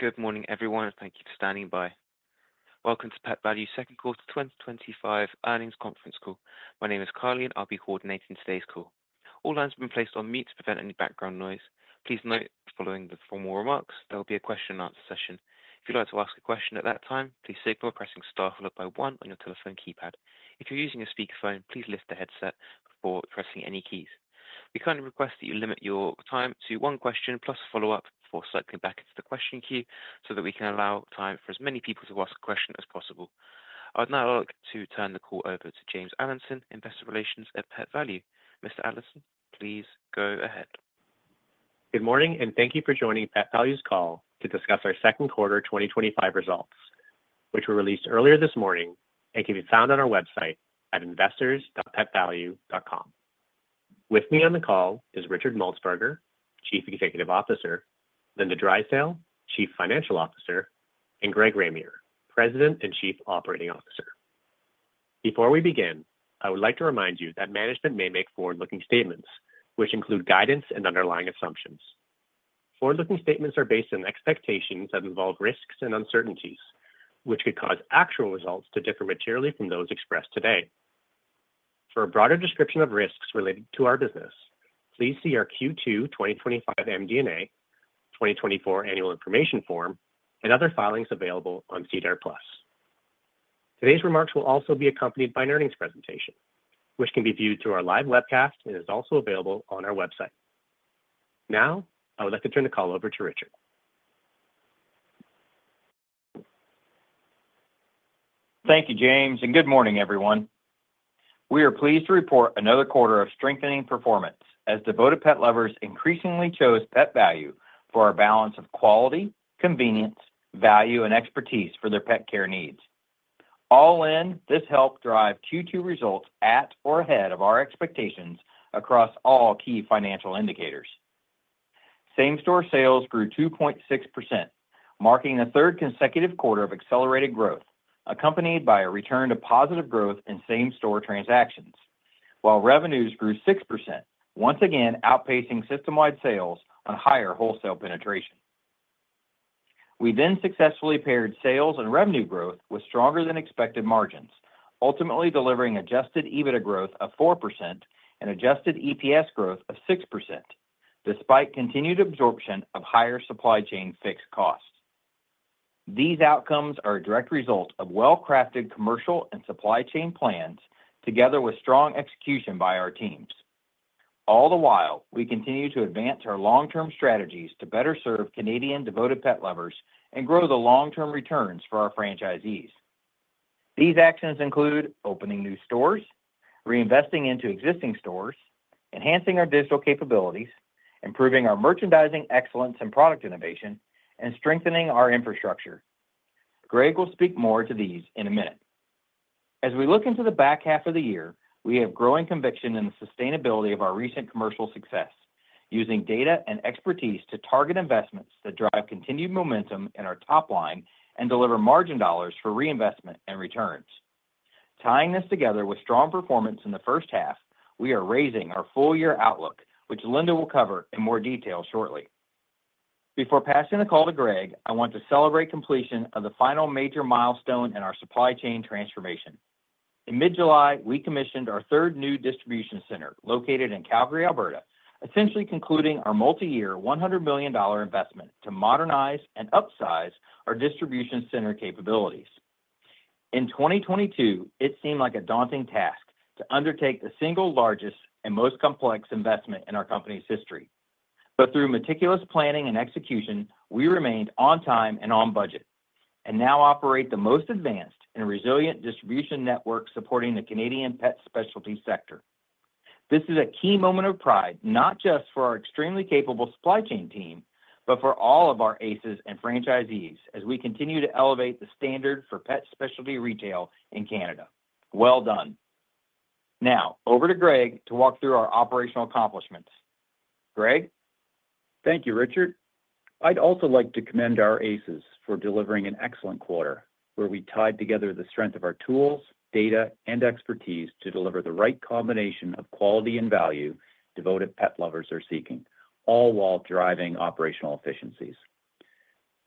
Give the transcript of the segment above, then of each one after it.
Good morning, everyone, and thank you for standing by. Welcome to Pet Valu's second quarter 2025 earnings conference call. My name is Carly, and I'll be coordinating today's call. All lines have been placed on mute to prevent any background noise. Please note, following the formal remarks, there will be a question and answer session. If you'd like to ask a question at that time, please signal by pressing star one on your telephone keypad. If you're using a speaker phone, please lift the headset before pressing any keys. We kindly request that you limit your time to one question plus a follow-up before cycling back into the question queue so that we can allow time for as many people to ask a question as possible. I would now like to turn the call over to James Allison, Investor Relations at Pet Valu. Mr. Allison, please go ahead. Good morning, and thank you for joining Pet Valu's call to discuss our second quarter 2025 results, which were released earlier this morning and can be found on our website at investors.petvalu.com. With me on the call is Richard Maltsbarger, Chief Executive Officer, Linda Drysdale, Chief Financial Officer, and Greg Ramier, President and Chief Operating Officer. Before we begin, I would like to remind you that management may make forward-looking statements, which include guidance and underlying assumptions. Forward-looking statements are based on expectations that involve risks and uncertainties, which could cause actual results to differ materially from those expressed today. For a broader description of risks related to our business, please see our Q2 2025 MD&A, 2024 Annual Information Form, and other filings available on SEDAR+. Today's remarks will also be accompanied by an earnings presentation, which can be viewed through our live webcast and is also available on our website. Now, I would like to turn the call over to Richard. Thank you, James, and good morning, everyone. We are pleased to report another quarter of strengthening performance as devoted pet lovers increasingly chose Pet Valu for our balance of quality, convenience, value, and expertise for their pet care needs. All in, this helped drive Q2 results at or ahead of our expectations across all key financial indicators. Same-store sales grew 2.6%, marking the third consecutive quarter of accelerated growth, accompanied by a return to positive growth in same-store transactions, while revenues grew 6%, once again outpacing system-wide sales on higher wholesale penetration. We then successfully paired sales and revenue growth with stronger-than-expected margins, ultimately delivering adjusted EBITDA growth of 4% and adjusted EPS growth of 6%, despite continued absorption of higher supply chain fixed costs. These outcomes are a direct result of well-crafted commercial and supply chain plans, together with strong execution by our teams. All the while, we continue to advance our long-term strategies to better serve Canadian devoted pet lovers and grow the long-term returns for our franchisees. These actions include opening new stores, reinvesting into existing stores, enhancing our digital capabilities, improving our merchandising excellence and product innovation, and strengthening our infrastructure. Greg will speak more to these in a minute. As we look into the back half of the year, we have growing conviction in the sustainability of our recent commercial success, using data and expertise to target investments that drive continued momentum in our top line and deliver margin dollars for reinvestment and returns. Tying this together with strong performance in the first half, we are raising our full-year outlook, which Linda will cover in more detail shortly. Before passing the call to Greg, I want to celebrate completion of the final major milestone in our supply chain transformation. In mid-July, we commissioned our third new distribution center located in Calgary, Alberta, essentially concluding our multi-year $100 million investment to modernize and upsize our distribution center capabilities. In 2022, it seemed like a daunting task to undertake the single largest and most complex investment in our company's history. Through meticulous planning and execution, we remained on time and on budget, and now operate the most advanced and resilient distribution network supporting the Canadian pet specialty sector. This is a key moment of pride, not just for our extremely capable supply chain team, but for all of our aces and franchisees as we continue to elevate the standard for pet specialty retail in Canada. Now, over to Greg to walk through our operational accomplishments. Greg? Thank you, Richard. I'd also like to commend our aces for delivering an excellent quarter, where we tied together the strength of our tools, data, and expertise to deliver the right combination of quality and value devoted pet lovers are seeking, all while driving operational efficiencies.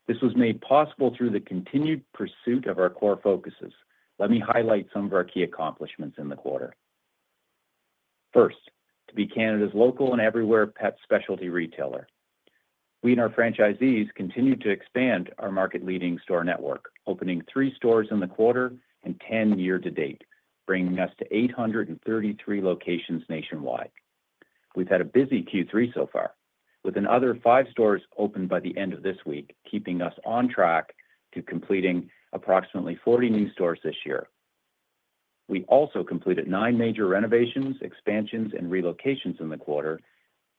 This was made possible through the continued pursuit of our core focuses. Let me highlight some of our key accomplishments in the quarter. First, to be Canada's local and everywhere pet specialty retailer. We and our franchisees continued to expand our market-leading store network, opening three stores in the quarter and 10 year to date, bringing us to 833 locations nationwide. We've had a busy Q3 so far, with another five stores opened by the end of this week, keeping us on track to completing approximately 40 new stores this year. We also completed nine major renovations, expansions, and relocations in the quarter,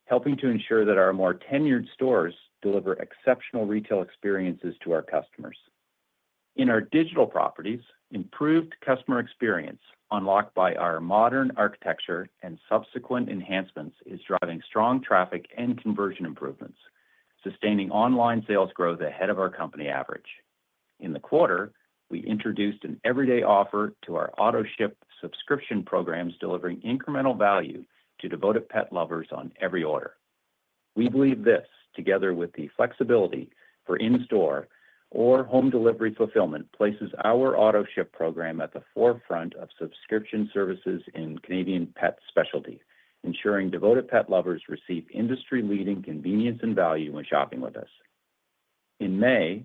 helping to ensure that our more tenured stores deliver exceptional retail experiences to our customers. In our digital properties, improved customer experience unlocked by our modern architecture and subsequent enhancements is driving strong traffic and conversion improvements, sustaining online sales growth ahead of our company average. In the quarter, we introduced an everyday offer to our auto-ship subscription programs, delivering incremental value to devoted pet lovers on every order. We believe this, together with the flexibility for in-store or home delivery fulfillment, places our auto-ship program at the forefront of subscription services in Canadian pet specialty, ensuring devoted pet lovers receive industry-leading convenience and value when shopping with us. In May,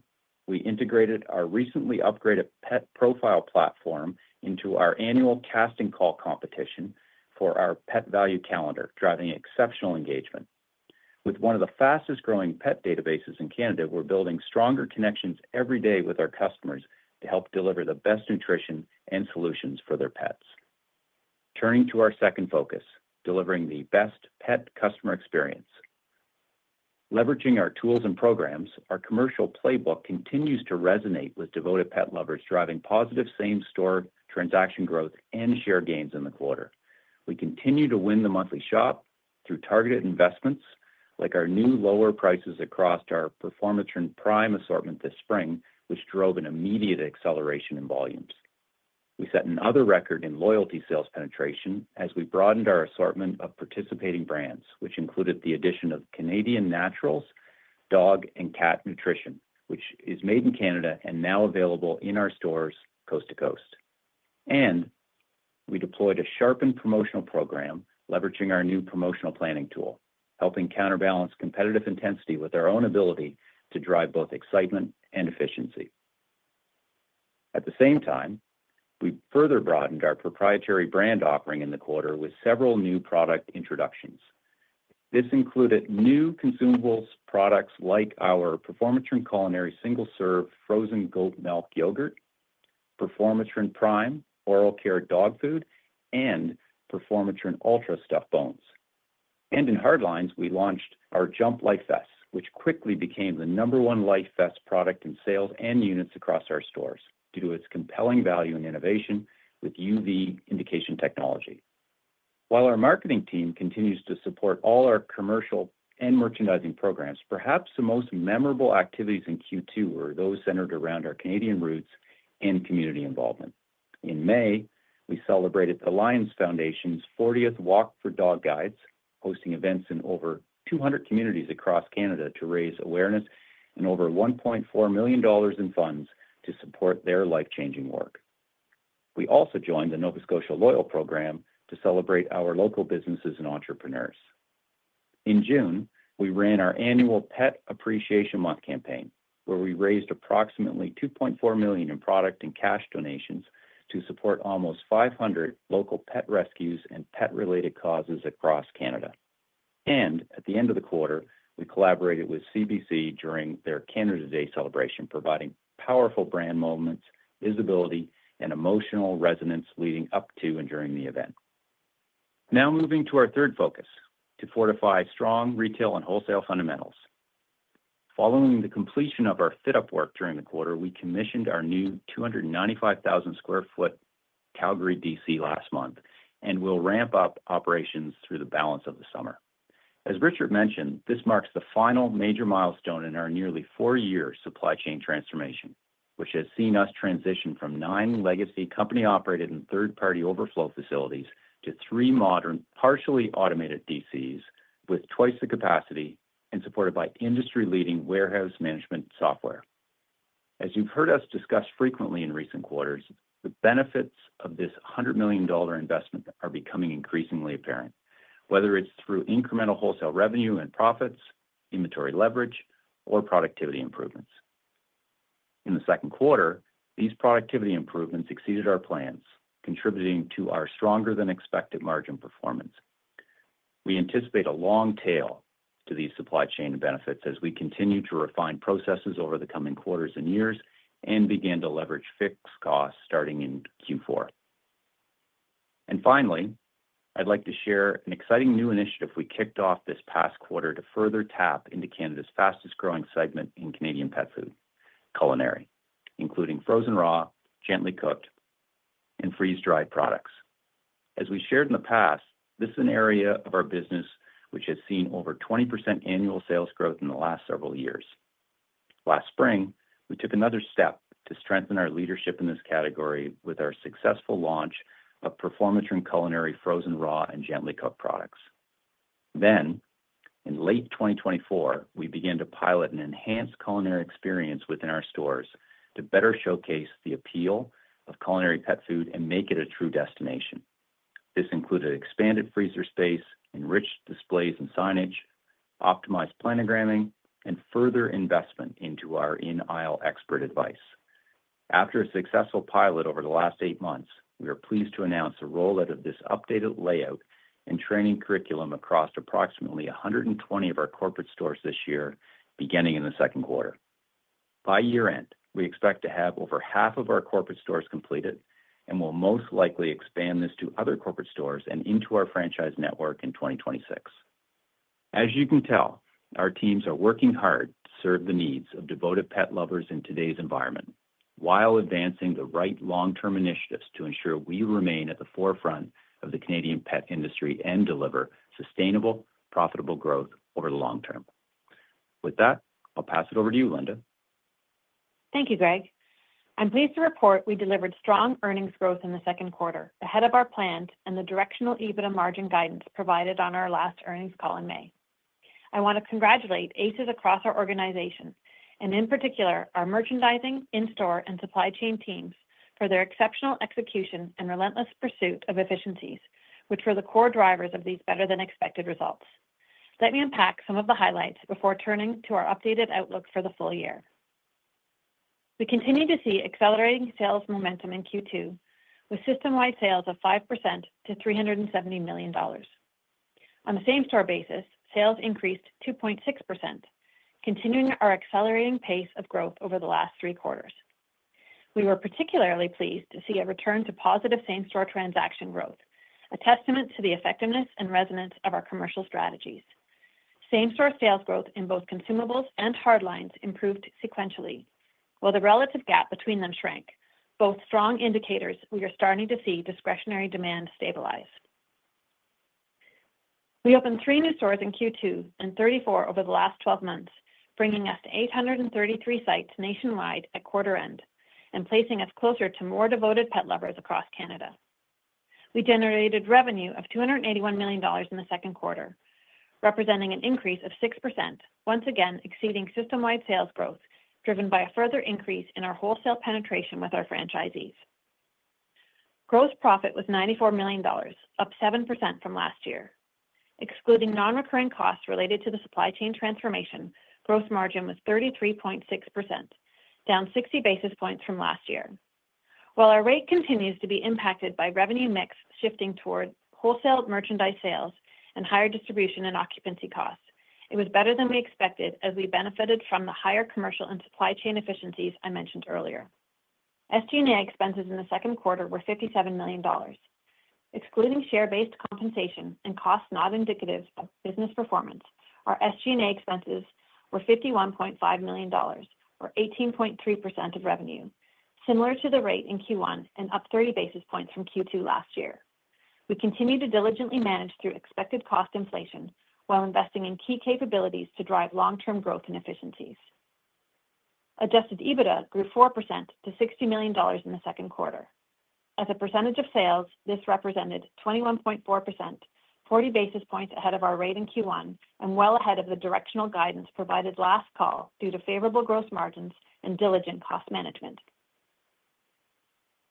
we integrated our recently upgraded pet profile platform into our annual casting call competition for our Pet Valu calendar, driving exceptional engagement. With one of the fastest growing pet databases in Canada, we're building stronger connections every day with our customers to help deliver the best nutrition and solutions for their pets. Turning to our second focus, delivering the best pet customer experience. Leveraging our tools and programs, our commercial playbook continues to resonate with devoted pet lovers, driving positive same-store transaction growth and share gains in the quarter. We continue to win the monthly shop through targeted investments, like our new lower prices across our Performance Trim Prime assortment this spring, which drove an immediate acceleration in volumes. We set another record in loyalty sales penetration as we broadened our assortment of participating brands, which included the addition of Canadian Naturals Dog and Cat Nutrition, which is made in Canada and now available in our stores coast to coast. We deployed a sharpened promotional program, leveraging our new promotional planning tool, helping counterbalance competitive intensity with our own ability to drive both excitement and efficiency. At the same time, we further broadened our proprietary brand offering in the quarter with several new product introductions. This included new consumables products like our Performance Trim Culinary Single Serve Frozen Gold Milk Yogurt, Performance Trim Prime Oral Care Dog Food, and Performance Trim Ultra Stuffed Bones. In hard lines, we launched our JUMP! Life Vest, which quickly became the number one Life Vest product in sales and units across our stores due to its compelling value and innovation with UV indication technology. While our marketing team continues to support all our commercial and merchandising programs, perhaps the most memorable activities in Q2 were those centered around our Canadian roots and community involvement. In May, we celebrated the Lions Foundation's 40th Walk for Dog Guides, hosting events in over 200 communities across Canada to raise awareness and over $1.4 million in funds to support their life-changing work. We also joined the Nova Scotia Loyal Program to celebrate our local businesses and entrepreneurs. In June, we ran our annual Pet Appreciation Month campaign, where we raised approximately $2.4 million in product and cash donations to support almost 500 local pet rescues and pet-related causes across Canada. At the end of the quarter, we collaborated with CBC during their Canada Day celebration, providing powerful brand moments, visibility, and emotional resonance leading up to and during the event. Now moving to our third focus to fortify strong retail and wholesale fundamentals. Following the completion of our fit-up work during the quarter, we commissioned our new 295,000 square foot Calgary distribution center last month and will ramp up operations through the balance of the summer. As Richard mentioned, this marks the final major milestone in our nearly four-year supply chain transformation, which has seen us transition from nine legacy company-operated and third-party overflow facilities to three modern, partially automated distribution centers with twice the capacity and supported by industry-leading warehouse management software. As you've heard us discuss frequently in recent quarters, the benefits of this $100 million investment are becoming increasingly apparent, whether it's through incremental wholesale revenue and profits, inventory leverage, or productivity improvements. In the second quarter, these productivity improvements exceeded our plans, contributing to our stronger-than-expected margin performance. We anticipate a long tail to these supply chain benefits as we continue to refine processes over the coming quarters and years and begin to leverage fixed costs starting in Q4. Finally, I'd like to share an exciting new initiative we kicked off this past quarter to further tap into Canada's fastest growing segment in Canadian pet food, culinary, including frozen raw, gently cooked, and freeze-dried products. As we shared in the past, this is an area of our business which has seen over 20% annual sales growth in the last several years. Last spring, we took another step to strengthen our leadership in this category with our successful launch of Performance Trim Culinary frozen raw and gently cooked products. In late 2024, we began to pilot an enhanced culinary experience within our stores to better showcase the appeal of culinary pet food and make it a true destination. This included expanded freezer space, enriched displays and signage, optimized planogramming, and further investment into our in-aisle expert advice. After a successful pilot over the last eight months, we are pleased to announce the rollout of this updated layout and training curriculum across approximately 120 of our corporate stores this year, beginning in the second quarter. By year-end, we expect to have over half of our corporate stores completed and will most likely expand this to other corporate stores and into our franchise network in 2026. As you can tell, our teams are working hard to serve the needs of devoted pet lovers in today's environment, while advancing the right long-term initiatives to ensure we remain at the forefront of the Canadian pet industry and deliver sustainable, profitable growth over the long term. With that, I'll pass it over to you, Linda. Thank you, Greg. I'm pleased to report we delivered strong earnings growth in the second quarter, ahead of our plan, and the directional EBITDA margin guidance provided on our last earnings call in May. I want to congratulate aces across our organization, and in particular our merchandising, in-store, and supply chain teams for their exceptional execution and relentless pursuit of efficiencies, which were the core drivers of these better-than-expected results. Let me unpack some of the highlights before turning to our updated outlook for the full year. We continue to see accelerating sales momentum in Q2, with system-wide sales up 5% to $370 million. On a same-store basis, sales increased 2.6%, continuing our accelerating pace of growth over the last three quarters. We were particularly pleased to see a return to positive same-store transaction growth, a testament to the effectiveness and resonance of our commercial strategies. Same-store sales growth in both consumables and hard lines improved sequentially, while the relative gap between them shrank, both strong indicators we are starting to see discretionary demand stabilize. We opened three new stores in Q2 and 34 over the last 12 months, bringing us to 833 sites nationwide at quarter end and placing us closer to more devoted pet lovers across Canada. We generated revenue of $281 million in the second quarter, representing an increase of 6%, once again exceeding system-wide sales growth driven by a further increase in our wholesale penetration with our franchisees. Gross profit was $94 million, up 7% from last year. Excluding non-recurring costs related to the supply chain transformation, gross margin was 33.6%, down 60 basis points from last year. While our rate continues to be impacted by revenue mix shifting toward wholesale merchandise sales and higher distribution and occupancy costs, it was better than we expected as we benefited from the higher commercial and supply chain efficiencies I mentioned earlier. SG&A expenses in the second quarter were $57 million. Excluding share-based compensation and costs not indicative of business performance, our SG&A expenses were $51.5 million, or 18.3% of revenue, similar to the rate in Q1 and up 30 basis points from Q2 last year. We continue to diligently manage through expected cost inflation while investing in key capabilities to drive long-term growth and efficiencies. Adjusted EBITDA grew 4% to $60 million in the second quarter. As a percentage of sales, this represented 21.4%, 40 basis points ahead of our rate in Q1 and well ahead of the directional guidance provided last call due to favorable gross margins and diligent cost management.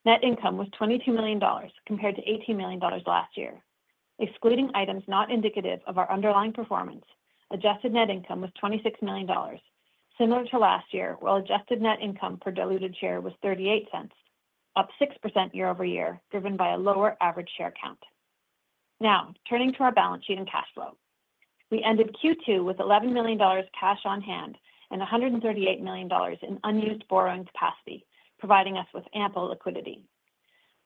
Net income was $22 million compared to $18 million last year. Excluding items not indicative of our underlying performance, adjusted net income was $26 million, similar to last year, while adjusted net income per diluted share was $0.38, up 6% year over year, driven by a lower average share count. Now, turning to our balance sheet and cash flow, we ended Q2 with $11 million cash on hand and $138 million in unused borrowing capacity, providing us with ample liquidity.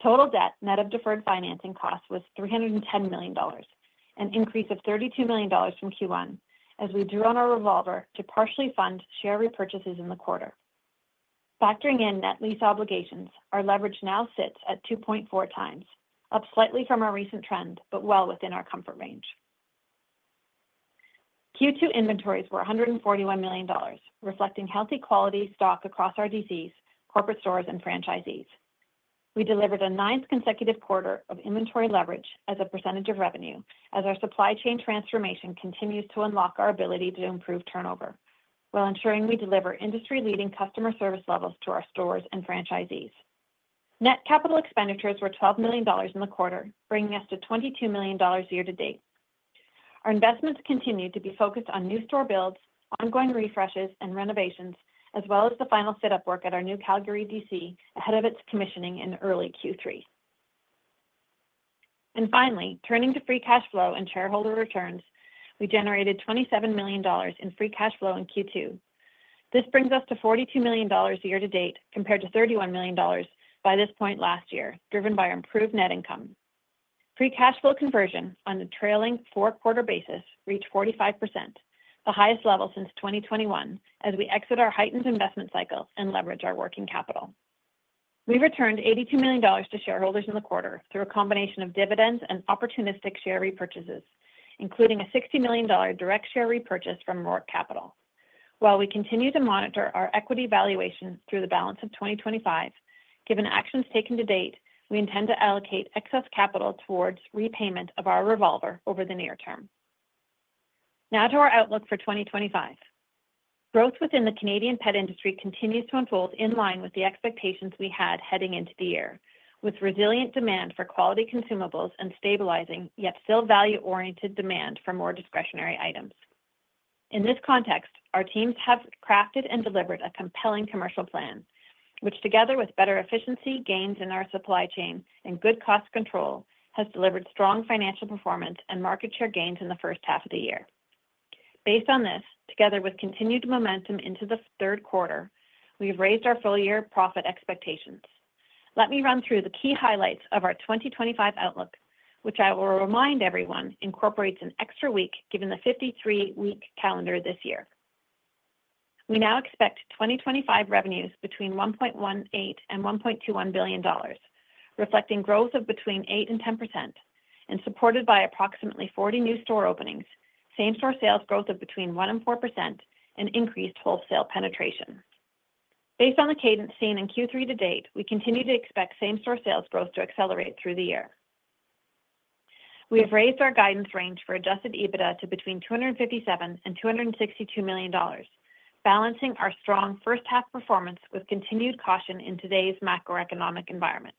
Total debt net of deferred financing costs was $310 million, an increase of $32 million from Q1 as we drew on our revolver to partially fund share repurchases in the quarter. Factoring in net lease obligations, our leverage now sits at 2.4x, up slightly from our recent trend, but well within our comfort range. Q2 inventories were $141 million, reflecting healthy quality stock across our DCs, corporate stores, and franchisees. We delivered a ninth consecutive quarter of inventory leverage as a percentage of revenue as our supply chain transformation continues to unlock our ability to improve turnover, while ensuring we deliver industry-leading customer service levels to our stores and franchisees. Net capital expenditures were $12 million in the quarter, bringing us to $22 million year-to-date. Our investments continue to be focused on new store builds, ongoing refreshes, and renovations, as well as the final fit-up work at our new Calgary DC ahead of its commissioning in early Q3. Finally, turning to free cash flow and shareholder returns, we generated $27 million in free cash flow in Q2. This brings us to $42 million year-to-date compared to $31 million by this point last year, driven by our improved net income. Free cash flow conversion on a trailing four-quarter basis reached 45%, the highest level since 2021, as we exit our heightened investment cycle and leverage our working capital. We returned $82 million to shareholders in the quarter through a combination of dividends and opportunistic share repurchases, including a $60 million direct share repurchase from Roark Capital. While we continue to monitor our equity valuation through the balance of 2025, given actions taken to date, we intend to allocate excess capital towards repayment of our revolver over the near term. Now to our outlook for 2025. Growth within the Canadian pet industry continues to unfold in line with the expectations we had heading into the year, with resilient demand for quality consumables and stabilizing yet still value-oriented demand for more discretionary items. In this context, our teams have crafted and delivered a compelling commercial plan, which together with better efficiency gains in our supply chain and good cost control has delivered strong financial performance and market share gains in the first half of the year. Based on this, together with continued momentum into the third quarter, we've raised our full-year profit expectations. Let me run through the key highlights of our 2025 outlook, which I will remind everyone incorporates an extra week given the 53-week calendar this year. We now expect 2025 revenues between $1.18 billion and $1.21 billion, reflecting growth of between 8% and 10%, and supported by approximately 40 new store openings, same-store sales growth of between 1% and 4%, and increased wholesale penetration. Based on the cadence seen in Q3 to date, we continue to expect same-store sales growth to accelerate through the year. We have raised our guidance range for adjusted EBITDA to between $257 million and $262 million, balancing our strong first-half performance with continued caution in today's macroeconomic environment.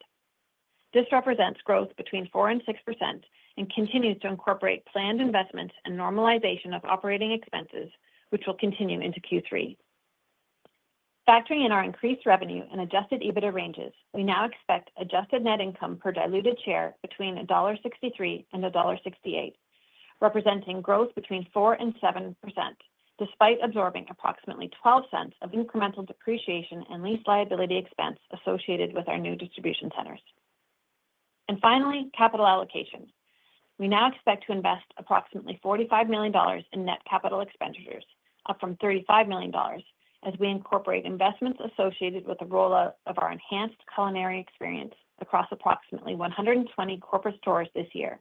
This represents growth between 4% and 6% and continues to incorporate planned investments and normalization of operating expenses, which will continue into Q3. Factoring in our increased revenue and adjusted EBITDA ranges, we now expect adjusted net income per diluted share between $1.63 and $1.68, representing growth between 4% and 7%, despite absorbing approximately $0.12 of incremental depreciation and lease liability expense associated with our new distribution centers. Finally, capital allocation. We now expect to invest approximately $45 million in net capital expenditures, up from $35 million, as we incorporate investments associated with the rollout of our enhanced culinary experience across approximately 120 corporate stores this year.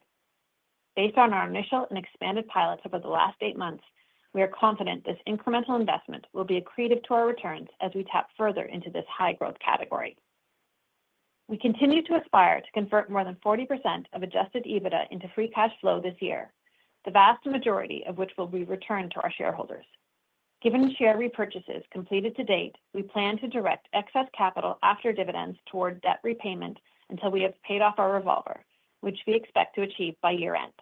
Based on our initial and expanded pilots over the last eight months, we are confident this incremental investment will be accretive to our returns as we tap further into this high growth category. We continue to aspire to convert more than 40% of adjusted EBITDA into free cash flow this year, the vast majority of which will be returned to our shareholders. Given share repurchases completed to date, we plan to direct excess capital after dividends toward debt repayment until we have paid off our revolver, which we expect to achieve by year-end.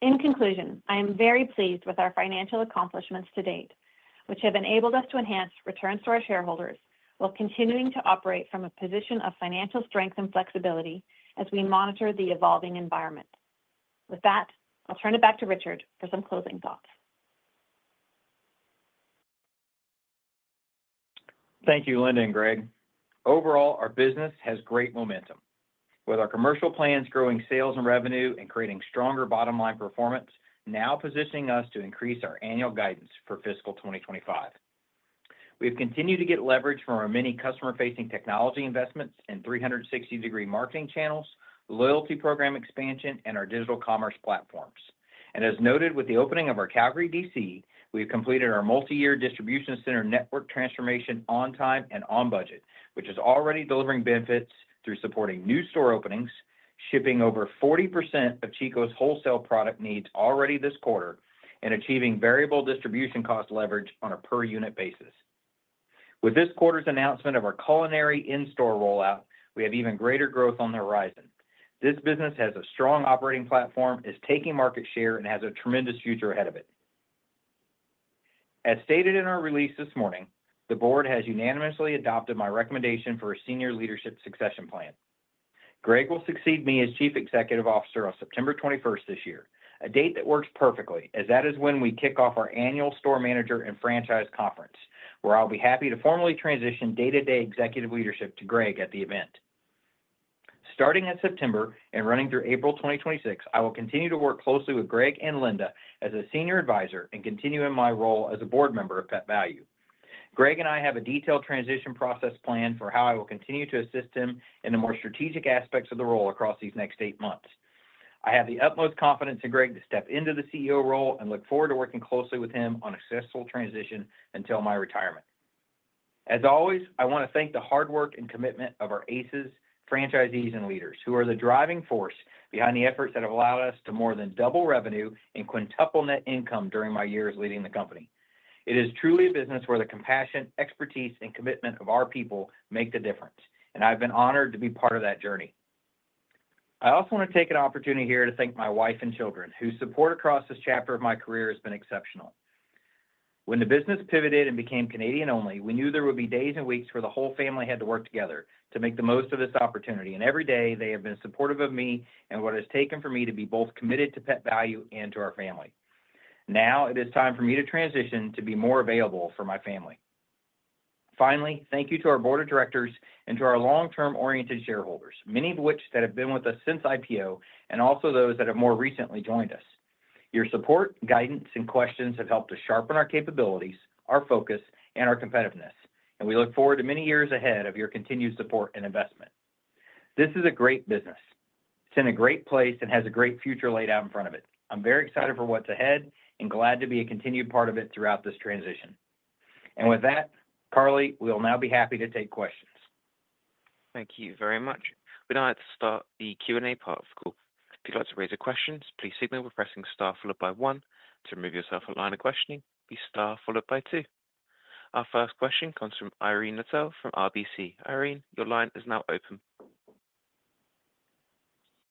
In conclusion, I am very pleased with our financial accomplishments to date, which have enabled us to enhance returns to our shareholders while continuing to operate from a position of financial strength and flexibility as we monitor the evolving environment. With that, I'll turn it back to Richard for some closing thoughts. Thank you, Linda and Greg. Overall, our business has great momentum, with our commercial plans growing sales and revenue and creating stronger bottom-line performance, now positioning us to increase our annual guidance for fiscal 2025. We've continued to get leverage from our many customer-facing technology investments, 360-degree marketing channels, loyalty program expansion, and our digital commerce platforms. As noted with the opening of our Calgary DC, we've completed our multi-year distribution center network transformation on time and on budget, which is already delivering benefits through supporting new store openings, shipping over 40% of Chico's wholesale product needs already this quarter, and achieving variable distribution cost leverage on a per-unit basis. With this quarter's announcement of our culinary in-store rollout, we have even greater growth on the horizon. This business has a strong operating platform, is taking market share, and has a tremendous future ahead of it. As stated in our release this morning, the board has unanimously adopted my recommendation for a senior leadership succession plan. Greg will succeed me as Chief Executive Officer on September 21, 2025, a date that works perfectly as that is when we kick off our annual Store Manager and Franchise Conference, where I'll be happy to formally transition day-to-day executive leadership to Greg at the event. Starting in September and running through April 2026, I will continue to work closely with Greg and Linda as a Senior Advisor and continue in my role as a board member of Pet Valu. Greg and I have a detailed transition process planned for how I will continue to assist him in the more strategic aspects of the role across these next eight months. I have the utmost confidence in Greg to step into the CEO role and look forward to working closely with him on a successful transition until my retirement. As always, I want to thank the hard work and commitment of our aces, franchisees, and leaders who are the driving force behind the efforts that have allowed us to more than double revenue and quintuple net income during my years leading the company. It is truly a business where the compassion, expertise, and commitment of our people make the difference, and I've been honored to be part of that journey. I also want to take an opportunity here to thank my wife and children, whose support across this chapter of my career has been exceptional. When the business pivoted and became Canadian-only, we knew there would be days and weeks where the whole family had to work together to make the most of this opportunity, and every day they have been supportive of me and what it has taken for me to be both committed to Pet Valu and to our family. Now it is time for me to transition to be more available for my family. Finally, thank you to our board of directors and to our long-term oriented shareholders, many of whom have been with us since IPO and also those that have more recently joined us. Your support, guidance, and questions have helped to sharpen our capabilities, our focus, and our competitiveness. We look forward to many years ahead of your continued support and investment. This is a great business. It's in a great place and has a great future laid out in front of it. I'm very excited for what's ahead and glad to be a continued part of it throughout this transition. With that, Carly, we will now be happy to take questions. Thank you very much. We now like to start the Q&A part of the call. If you'd like to raise a question, please signal by pressing star followed by one. To remove yourself from the line of questioning, press star followed by two. Our first question comes from Irene Nattel from RBC. Irene, your line is now open.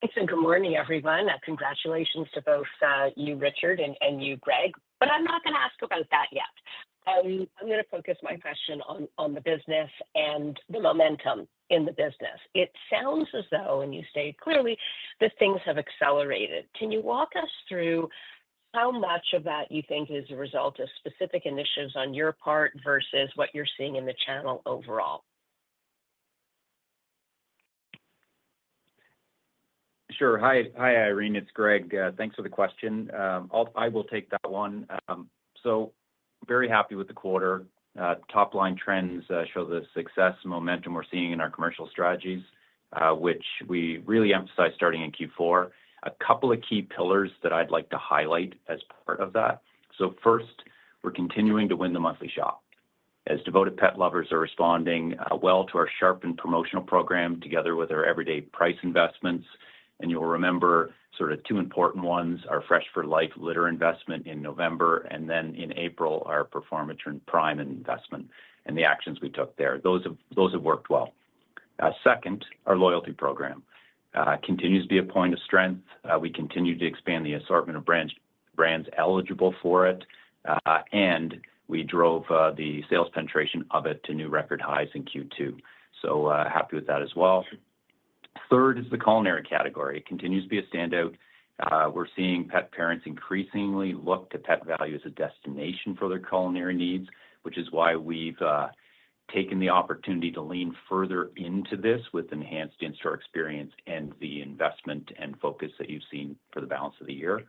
Excellent. Good morning, everyone. Congratulations to both you, Richard, and you, Greg. I'm not going to ask about that yet. I'm going to focus my question on the business and the momentum in the business. It sounds as though, and you say clearly, that things have accelerated. Can you walk us through how much of that you think is a result of specific initiatives on your part versus what you're seeing in the channel overall? Sure. Hi, Irene. It's Greg. Thanks for the question. I will take that one. Very happy with the quarter. Top line trends show the success momentum we're seeing in our commercial strategies, which we really emphasize starting in Q4. A couple of key pillars that I'd like to highlight as part of that. First, we're continuing to win the monthly shop, as devoted pet lovers are responding well to our sharpened promotional program together with our everyday price investments, and you'll remember sort of two important ones: our Fresh for Life litter investment in November, and then in April, our Performance Trim Prime investment and the actions we took there. Those have worked well. Second, our loyalty program continues to be a point of strength. We continue to expand the assortment of brands eligible for it, and we drove the sales penetration of it to new record highs in Q2. Happy with that as well. Third is the culinary category. It continues to be a standout. We're seeing pet parents increasingly look to Pet Valu as a destination for their culinary needs, which is why we've taken the opportunity to lean further into this with enhanced in-store experience and the investment and focus that you've seen for the balance of the year.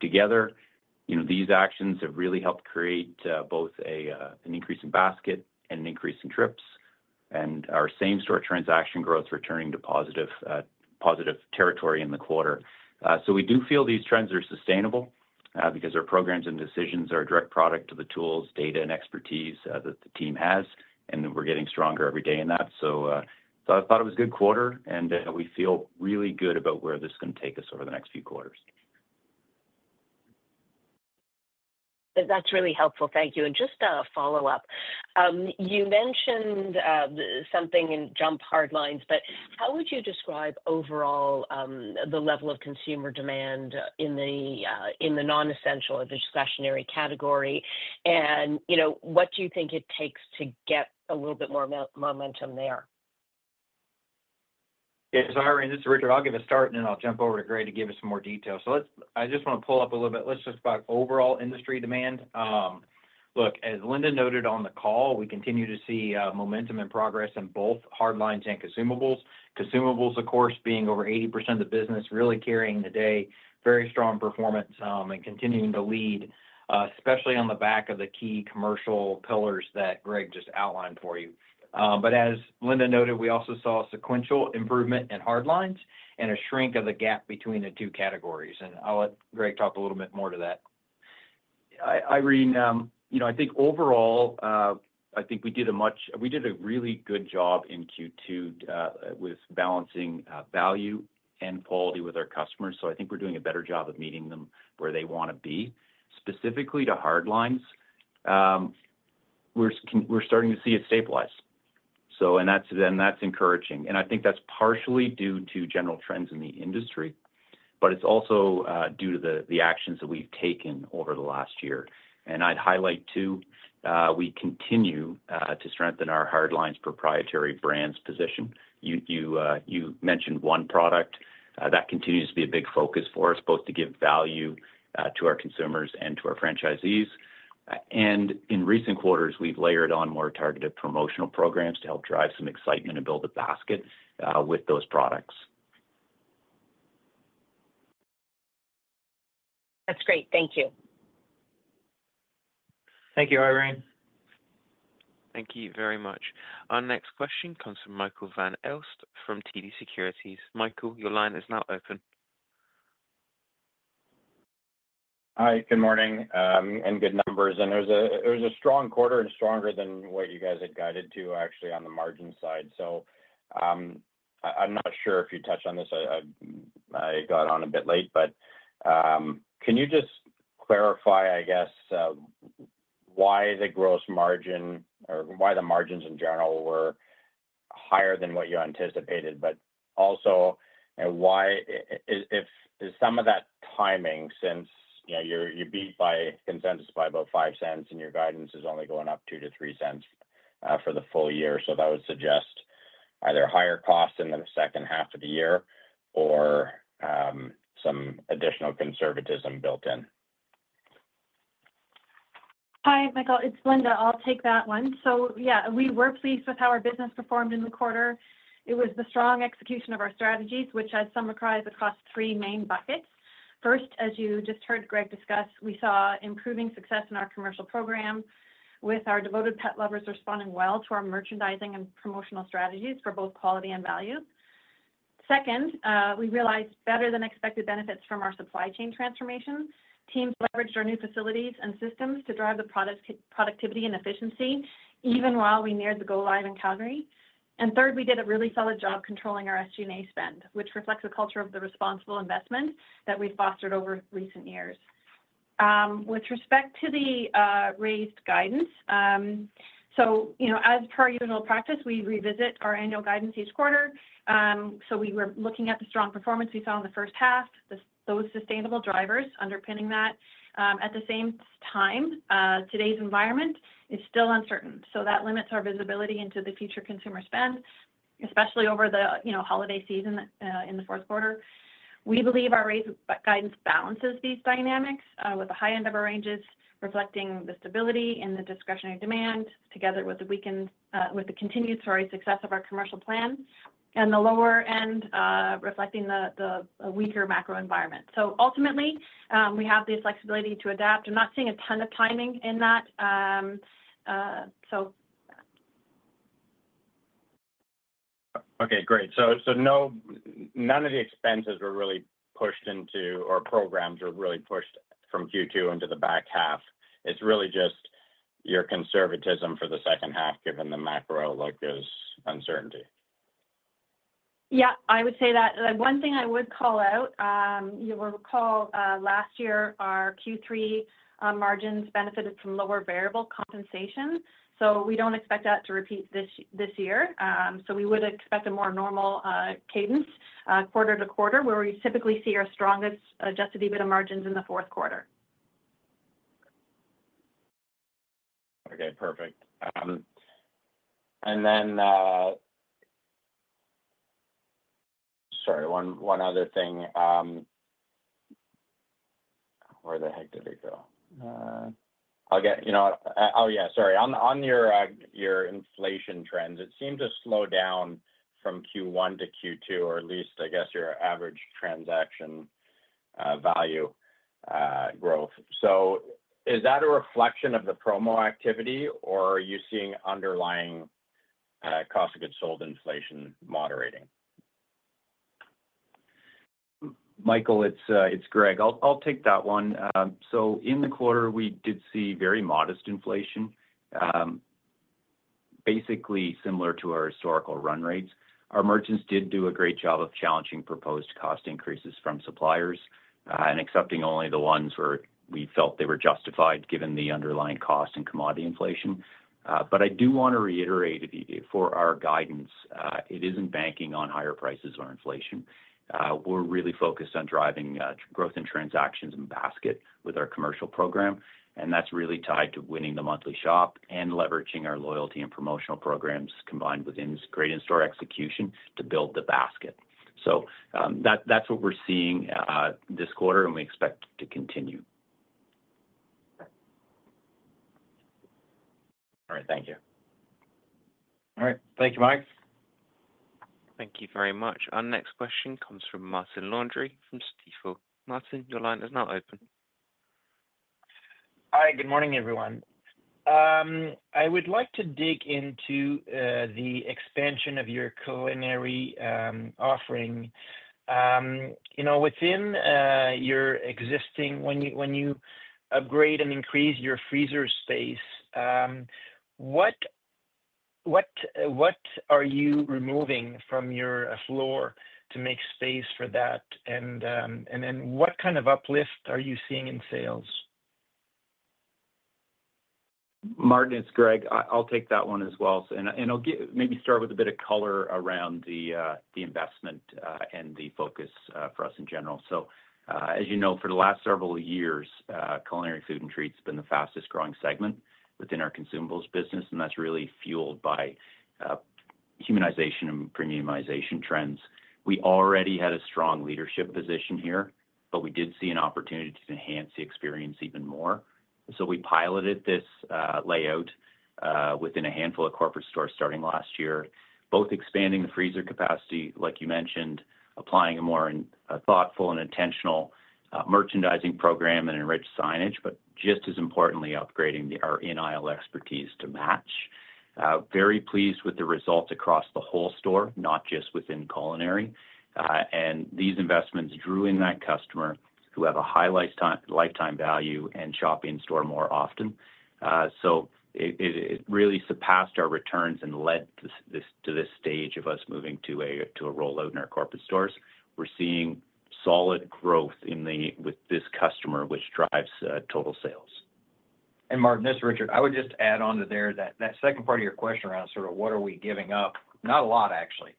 Together, these actions have really helped create both an increase in basket and an increase in trips, and our same-store transaction growth returning to positive territory in the quarter. We do feel these trends are sustainable because our programs and decisions are a direct product of the tools, data, and expertise that the team has, and we're getting stronger every day in that. I thought it was a good quarter, and we feel really good about where this is going to take us over the next few quarters. That's really helpful. Thank you. Just a follow-up, you mentioned something in jump hard lines, but how would you describe overall the level of consumer demand in the non-essential or discretionary category, and what do you think it takes to get a little bit more momentum there? Yeah, so Irene, this is Richard. I'll give a start, and then I'll jump over to Greg to give us some more details. I just want to pull up a little bit. Let's talk about overall industry demand. Look, as Linda noted on the call, we continue to see momentum and progress in both hard lines and consumables. Consumables, of course, being over 80% of the business, really carrying the day, very strong performance, and continuing to lead, especially on the back of the key commercial pillars that Greg just outlined for you. As Linda noted, we also saw a sequential improvement in hard lines and a shrink of the gap between the two categories. I'll let Greg talk a little bit more to that. Irene, I think overall, I think we did a really good job in Q2 with balancing value and quality with our customers. I think we're doing a better job of meeting them where they want to be. Specifically to hard lines, we're starting to see it stabilize, and that's encouraging. I think that's partially due to general trends in the industry, but it's also due to the actions that we've taken over the last year. I'd highlight too, we continue to strengthen our hard lines proprietary brands position. You mentioned one product that continues to be a big focus for us, both to give value to our consumers and to our franchisees. In recent quarters, we've layered on more targeted promotional programs to help drive some excitement and build a basket with those products. That's great. Thank you. Thank you, Irene. Thank you very much. Our next question comes from Michael Van Aelst from TD Securities. Michael, your line is now open. Hi, good morning and good numbers. It was a strong quarter and stronger than what you guys had guided to, actually, on the margin side. I'm not sure if you touched on this. I got on a bit late, but can you just clarify, I guess, why the gross margin or why the margins in general were higher than what you anticipated, and why is some of that timing since you beat by consensus by about $0.05 and your guidance is only going up $0.02 to $0.03 for the full year? That would suggest either higher costs in the second half of the year or some additional conservatism built in. Hi, Michael. It's Linda. I'll take that one. Yeah, we were pleased with how our business performed in the quarter. It was the strong execution of our strategies, which I summarize across three main buckets. First, as you just heard Greg discuss, we saw improving success in our commercial program with our devoted pet lovers responding well to our merchandising and promotional strategies for both quality and value. Second, we realized better-than-expected benefits from our supply chain transformation. Teams leveraged our new facilities and systems to drive the product's productivity and efficiency, even while we neared the go-live in Calgary. Third, we did a really solid job controlling our SG&A spend, which reflects a culture of responsible investment that we've fostered over recent years. With respect to the raised guidance, as per our usual practice, we revisit our annual guidance each quarter. We were looking at the strong performance we saw in the first half, those sustainable drivers underpinning that. At the same time, today's environment is still uncertain. That limits our visibility into the future consumer spend, especially over the holiday season in the fourth quarter. We believe our raised guidance balances these dynamics with the high end of our ranges reflecting the stability and the discretionary demand, together with the continued story success of our commercial plan, and the lower end reflecting the weaker macro environment. Ultimately, we have the flexibility to adapt. I'm not seeing a ton of timing in that. Okay, great. None of the expenses are really pushed into, or programs are really pushed from Q2 into the back half. It's really just your conservatism for the second half, given the macro, like there's uncertainty. I would say that one thing I would call out, you'll recall last year, our Q3 margins benefited from lower variable compensation. We don't expect that to repeat this year. We would expect a more normal cadence quarter to quarter, where we typically see our strongest adjusted EBITDA margins in the fourth quarter. Okay, perfect. Sorry, one other thing. Where the heck did it go? Oh, yeah, sorry. On your inflation trends, it seemed to slow down from Q1 to Q2, or at least I guess your average transaction value growth. Is that a reflection of the promo activity, or are you seeing underlying cost of goods sold inflation moderating? Michael, it's Greg. I'll take that one. In the quarter, we did see very modest inflation, basically similar to our historical run rates. Our merchants did do a great job of challenging proposed cost increases from suppliers and accepting only the ones where we felt they were justified, given the underlying cost and commodity inflation. I do want to reiterate for our guidance, it isn't banking on higher prices or inflation. We're really focused on driving growth in transactions and basket with our commercial program. That is really tied to winning the monthly shop and leveraging our loyalty and promotional programs combined with great in-store execution to build the basket. That's what we're seeing this quarter, and we expect to continue. All right, thank you. All right, thank you, Mike. Thank you very much. Our next question comes from Martin Landry from Stifel. Martin, your line is now open. Hi, good morning, everyone. I would like to dig into the expansion of your culinary offering. Within your existing, when you upgrade and increase your freezer space, what are you removing from your floor to make space for that? What kind of uplift are you seeing in sales? Martin, it's Greg. I'll take that one as well. I'll maybe start with a bit of color around the investment and the focus for us in general. As you know, for the last several years, culinary food and treats have been the fastest growing segment within our consumables business, and that's really fueled by humanization and premiumization trends. We already had a strong leadership position here, but we did see an opportunity to enhance the experience even more. We piloted this layout within a handful of corporate stores starting last year, both expanding the freezer capacity, like you mentioned, applying a more thoughtful and intentional merchandising program and enriched signage, but just as importantly, upgrading our in-aisle expertise to match. Very pleased with the results across the whole store, not just within culinary. These investments drew in that customer who have a high lifetime value and shop in-store more often. It really surpassed our returns and led to this stage of us moving to a rollout in our corporate stores. We're seeing solid growth with this customer, which drives total sales. Martin, this is Richard. I would just add on to that second part of your question around sort of what are we giving up, not a lot, actually.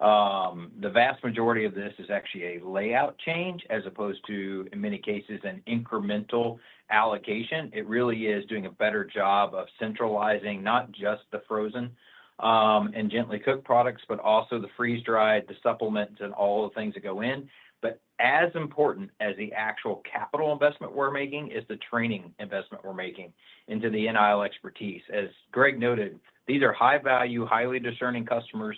The vast majority of this is actually a layout change as opposed to, in many cases, an incremental allocation. It really is doing a better job of centralizing not just the frozen and gently cooked products, but also the freeze-dried, the supplements, and all the things that go in. As important as the actual capital investment we're making is the training investment we're making into the in-aisle expertise. As Greg noted, these are high-value, highly discerning customers,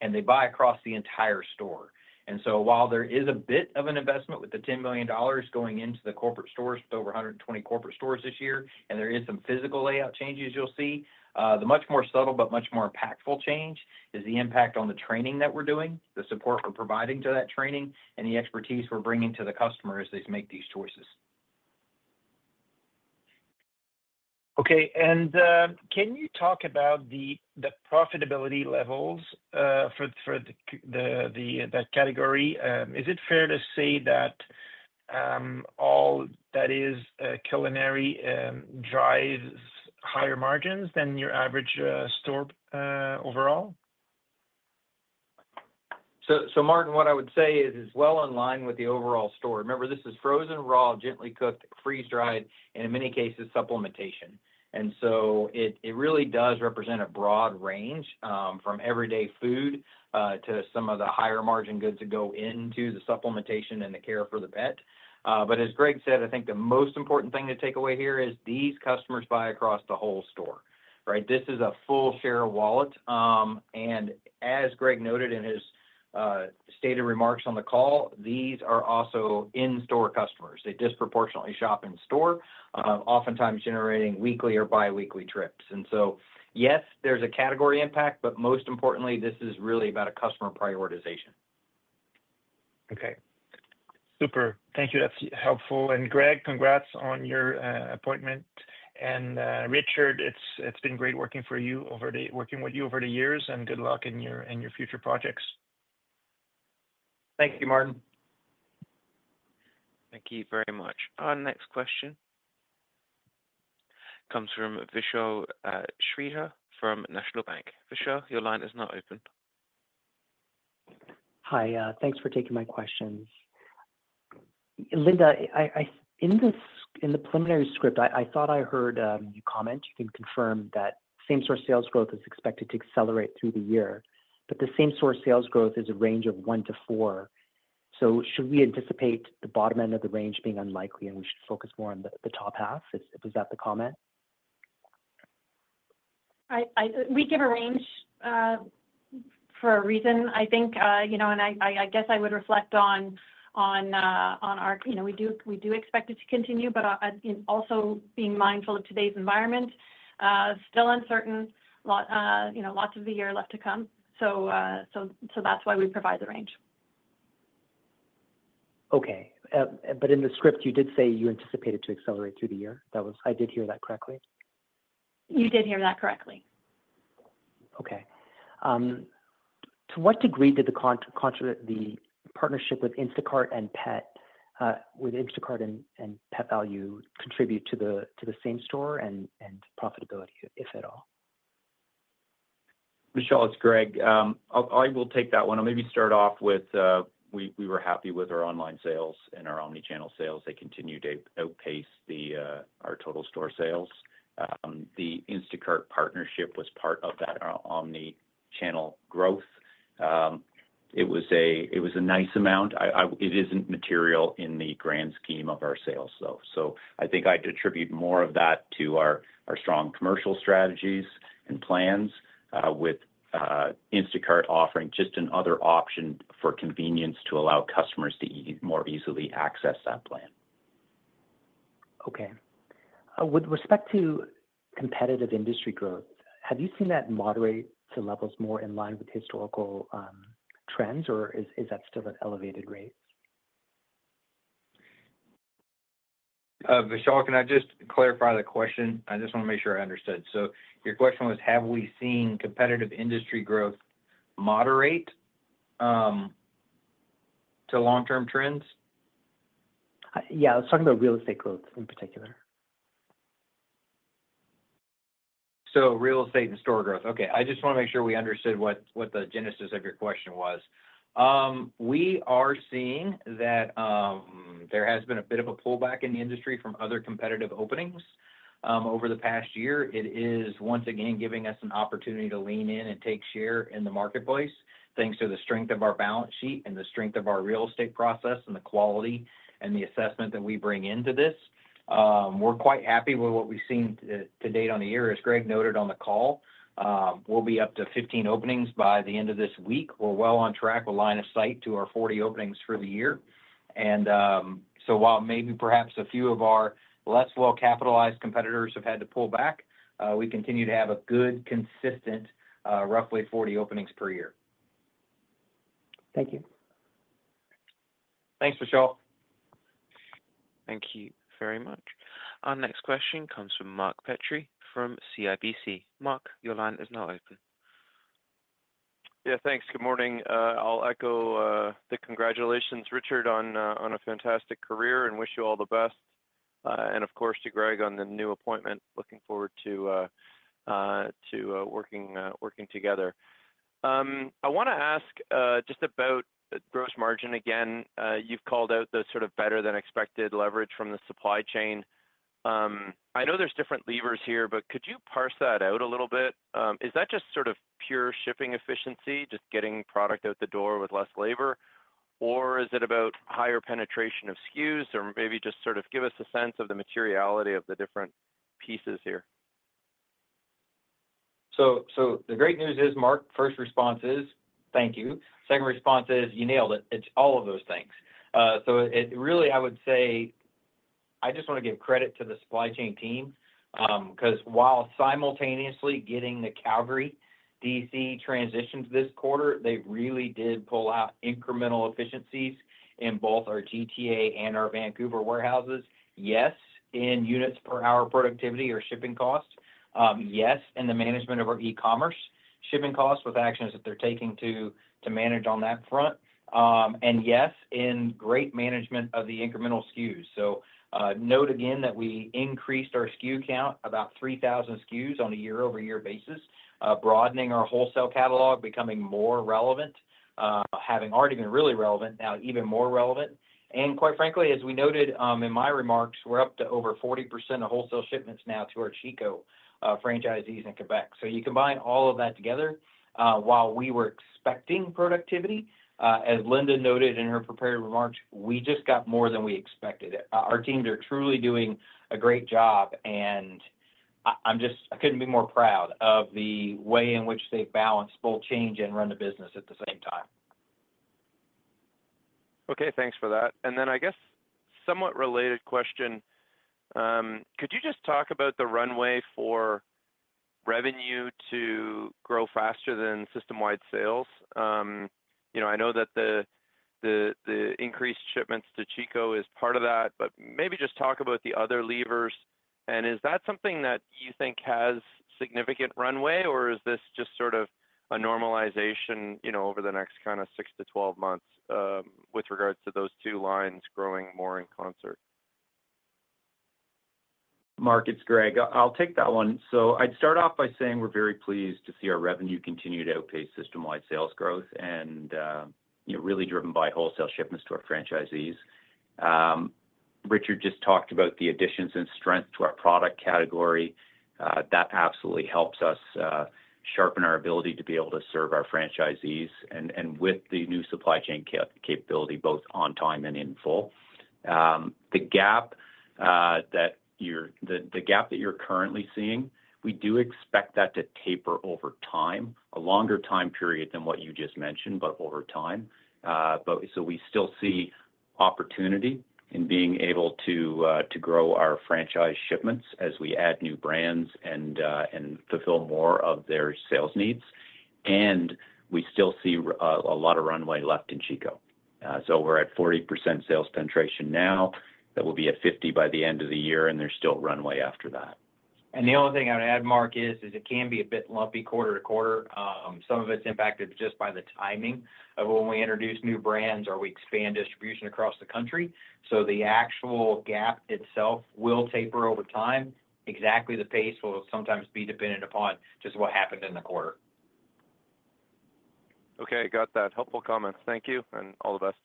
and they buy across the entire store. While there is a bit of an investment with the $10 million going into the corporate stores with over 120 corporate stores this year, and there are some physical layout changes you'll see, the much more subtle but much more impactful change is the impact on the training that we're doing, the support we're providing to that training, and the expertise we're bringing to the customer as they make these choices. Okay, can you talk about the profitability levels for that category? Is it fair to say that all that is culinary drives higher margins than your average store overall? Martin, what I would say is it's well in line with the overall store. Remember, this is frozen, raw, gently cooked, freeze-dried, and in many cases, supplementation. It really does represent a broad range from everyday food to some of the higher margin goods that go into the supplementation and the care for the pet. As Greg Ramier said, I think the most important thing to take away here is these customers buy across the whole store. Right? This is a full share of wallet. As Greg Ramier noted in his stated remarks on the call, these are also in-store customers. They disproportionately shop in-store, oftentimes generating weekly or biweekly trips. Yes, there's a category impact, but most importantly, this is really about a customer prioritization. Okay. Super. Thank you. That's helpful. Greg, congrats on your appointment. Richard, it's been great working with you over the years, and good luck in your future projects. Thank you, Martin. Thank you very much. Our next question comes from Vishal Shreedhar from National Bank. Vishal, your line is now open. Hi, thanks for taking my questions. Linda, in the preliminary script, I thought I heard you comment, you can confirm that same-store sales growth is expected to accelerate through the year, but the same-store sales growth is a range of 1% to 4%. Should we anticipate the bottom end of the range being unlikely and we should focus more on the top half? Is that the comment? We give a range for a reason, I think, you know, and I guess I would reflect on our, you know, we do expect it to continue, but also being mindful of today's environment, still uncertain, lots of the year left to come. That's why we provide the range. Okay. In the script, you did say you anticipated to accelerate through the year. I did hear that correctly? You did hear that correctly. Okay. To what degree did the partnership with Instacart and Pet Valu contribute to the same-store sales and profitability, if at all? Vishal, it's Greg. I will take that one. I'll maybe start off with we were happy with our online sales and our omnichannel sales. They continue to outpace our total store sales. The Instacart partnership was part of that omnichannel growth. It was a nice amount. It isn't material in the grand scheme of our sales, though. I think I'd attribute more of that to our strong commercial strategies and plans with Instacart offering just another option for convenience to allow customers to more easily access that plan. Okay. With respect to competitive industry growth, have you seen that moderate to levels more in line with historical trends, or is that still an elevated rate? Vishal, can I just clarify the question? I just want to make sure I understood. Your question was, have we seen competitive industry growth moderate to long-term trends? Yeah, I was talking about real estate growth in particular. Real estate and store growth. I just want to make sure we understood what the genesis of your question was. We are seeing that there has been a bit of a pullback in the industry from other competitive openings over the past year. It is once again giving us an opportunity to lean in and take share in the marketplace thanks to the strength of our balance sheet and the strength of our real estate process and the quality and the assessment that we bring into this. We're quite happy with what we've seen to date on the year. As Greg Ramier noted on the call, we'll be up to 15 openings by the end of this week. We're well on track with line of sight to our 40 openings for the year. While maybe perhaps a few of our less well-capitalized competitors have had to pull back, we continue to have a good, consistent, roughly 40 openings per year. Thank you. Thanks, Vishal. Thank you very much. Our next question comes from Mark Petrie from CIBC. Mark, your line is now open. Yeah, thanks. Good morning. I'll echo the congratulations, Richard, on a fantastic career and wish you all the best. Of course, to Greg on the new appointment. Looking forward to working together. I want to ask just about gross margin again. You've called out the sort of better-than-expected leverage from the supply chain. I know there's different levers here, but could you parse that out a little bit? Is that just sort of pure shipping efficiency, just getting product out the door with less labor, or is it about higher penetration of SKUs, or maybe just sort of give us a sense of the materiality of the different pieces here? The great news is, Mark, first response is thank you. Second response is you nailed it. It's all of those things. I just want to give credit to the supply chain team because while simultaneously getting the Calgary distribution center transitioned this quarter, they really did pull out incremental efficiencies in both our GTA and our Vancouver warehouses. Yes, in units per hour productivity or shipping cost. Yes, in the management of our e-commerce shipping costs with actions that they're taking to manage on that front. Yes, in great management of the incremental SKUs. Note again that we increased our SKU count about 3,000 SKUs on a year-over-year basis, broadening our wholesale catalog, becoming more relevant, having already been really relevant, now even more relevant. Quite frankly, as we noted in my remarks, we're up to over 40% of wholesale shipments now to our Chico franchisees in Quebec. You combine all of that together, while we were expecting productivity, as Linda noted in her prepared remarks, we just got more than we expected. Our teams are truly doing a great job, and I couldn't be more proud of the way in which they balance both change and run the business at the same time. Okay, thanks for that. I guess somewhat related question, could you just talk about the runway for revenue to grow faster than system-wide sales? I know that the increased shipments to Chico is part of that, but maybe just talk about the other levers. Is that something that you think has significant runway, or is this just sort of a normalization over the next kind of 6 to 12 months with regards to those two lines growing more in concert? Mark, it's Greg. I'll take that one. I'd start off by saying we're very pleased to see our revenue continue to outpace system-wide sales growth, really driven by wholesale shipments to our franchisees. Richard just talked about the additions and strength to our product category. That absolutely helps us sharpen our ability to be able to serve our franchisees, and with the new supply chain capability, both on time and in full. The gap that you're currently seeing, we do expect that to taper over time, a longer time period than what you just mentioned, but over time. We still see opportunity in being able to grow our franchise shipments as we add new brands and fulfill more of their sales needs. We still see a lot of runway left in Chico. We're at 40% sales penetration now. That will be at 50% by the end of the year, and there's still runway after that. The only thing I would add, Mark, is it can be a bit lumpy quarter to quarter. Some of it's impacted just by the timing of when we introduce new brands or we expand distribution across the country. The actual gap itself will taper over time. Exactly the pace will sometimes be dependent upon just what happened in the quarter. Okay, got that. Helpful comments. Thank you and all the best.